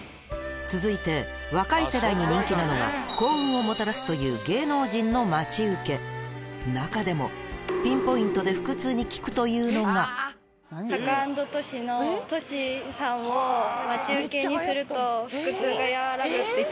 続いて若い世代に人気なのが幸運をもたらすという芸能人の待ち受け中でもピンポイントでというのがって聞いて。